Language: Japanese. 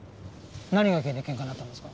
何が原因でケンカになったんですか？